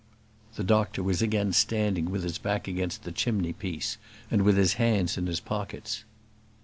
The doctor was again standing with his back against the chimney piece, and with his hands in his pockets.